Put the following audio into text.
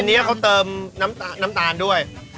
อันนี้เขาเติมน้ำตาลด้วย